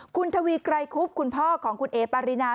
คุณทวีไกรคุบคุณพ่อของคุณเอ๋ปารินา